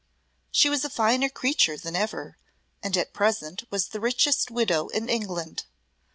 She was a finer creature than ever, and at present was the richest widow in England.